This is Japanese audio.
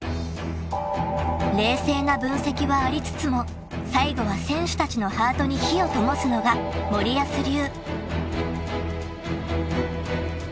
［冷静な分析はありつつも最後は選手たちのハートに火を灯すのが森保流］